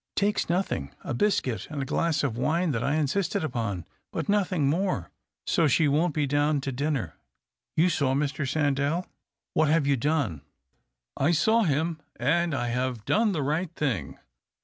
Takes nothing — a biscuit and a glass of wine that I insisted upon, but nothing more. So she won't be down to dinner. You saw Mr. San dell ? What have you done ?"" I saw him, and I have done the right thing.